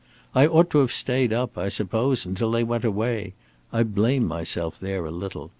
I ought to have stayed up, I suppose, until they went away. I blame myself there a little.